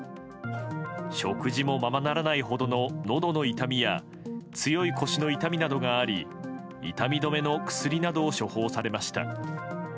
食事もままならないほどののどの痛みや強い腰の痛みなどがあり痛み止めの薬などを処方されました。